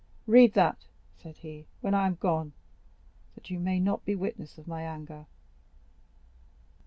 Read that," said he, "when I am gone, that you may not be witness of my anger."